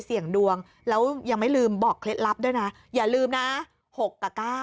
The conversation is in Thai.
เสี่ยงดวงแล้วยังไม่ลืมบอกเคล็ดลับด้วยนะอย่าลืมนะ๖กับ๙